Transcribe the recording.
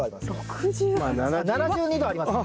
６８？７２度ありますよ。